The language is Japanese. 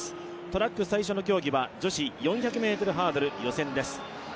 トラック最初の競技は女子４００ｍハードル予選です。